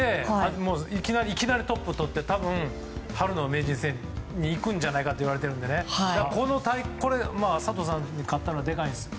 いきなりトップをとって、多分春の名人戦に行くんじゃないかといわれているので佐藤さんに勝ったのはでかいです。